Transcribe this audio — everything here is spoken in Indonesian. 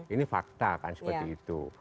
ini fakta kan seperti itu